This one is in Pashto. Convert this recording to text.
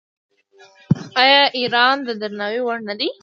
آیا ایران د درناوي وړ نه دی؟